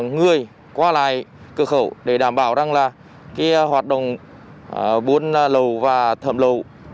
người qua lại cửa khẩu để đảm bảo rằng là hoạt động buôn lầu và thẩm lầu